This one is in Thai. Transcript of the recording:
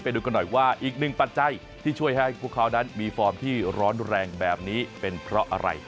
ไปดูกันหน่อยว่าอีกหนึ่งปัจจัยที่ช่วยให้พวกเขานั้นมีฟอร์มที่ร้อนแรงแบบนี้เป็นเพราะอะไร